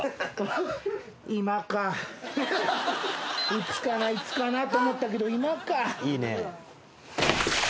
いつかないつかなと思ったけど今か。